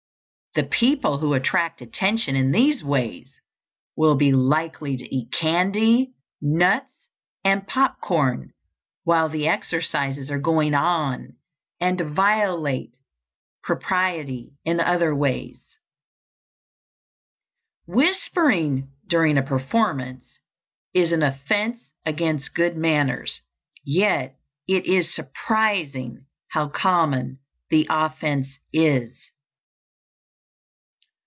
The people who attract attention in these ways will be likely to eat candy, nuts, and popped corn while the exercises are going on, and to violate propriety in other ways. Whispering during a performance is an offence against good manners; yet it is surprising how common the offence is.